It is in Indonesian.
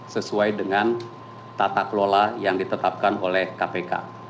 sesuai dengan tata kelola yang ditetapkan oleh kpk